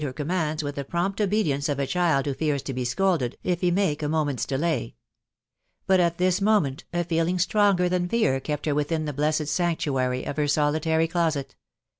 her commands with the prompt <dtem» o% attdeai^w»" *88 THE WIDOW BABNABT* to be scolded if he make a moment's delay. Bat at this mo ment, a feeling stronger than fear kept her within the blessed sanctuary of her solitary closet.